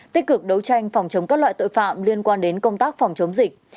tích cực đấu tranh phòng chống các loại tội phạm liên quan đến công tác phòng chống dịch